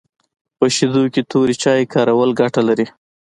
په شیدو کي توري چای کارول ګټه لري